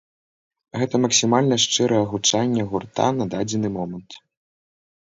Гэта максімальна шчырае гучанне гурта на дадзены момант.